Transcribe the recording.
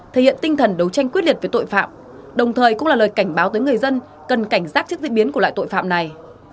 thể hiện tinh thần đấu tranh quyết liệt với tội phạm đồng thời cũng là lời cảnh báo tới người dân cần cảnh giác trước diễn biến của loại tội phạm này